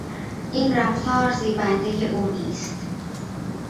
این رفتار زیبندهی او نیست.